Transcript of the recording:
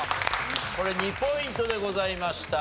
これ２ポイントでございました。